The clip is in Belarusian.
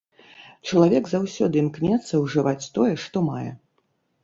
Чалавек заўсёды імкнецца ўжываць тое, што мае.